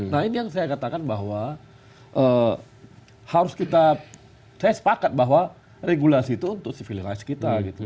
nah ini yang saya katakan bahwa harus kita saya sepakat bahwa regulasi itu untuk civilized kita gitu